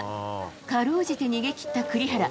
かろうじて逃げ切った栗原。